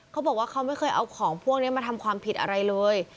เขาบอกว่าเขาไม่เคยเอาของพวกนี้มาทำความผิดอะไรเลย